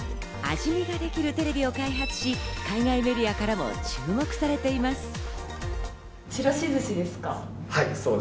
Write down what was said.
味見ができるテレビを開発し、海外メディアからも注目されています。